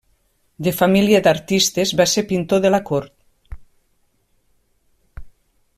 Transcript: De família d'artistes, va ser pintor de la cort.